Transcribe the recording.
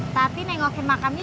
tapi nengokin makamnya